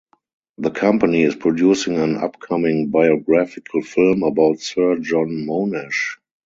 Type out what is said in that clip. The company is producing an upcoming biographical film about Sir John Monash.